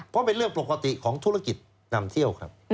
เพราะเป็นเรื่องปกติของธุรกิจนำเที่ยวครับ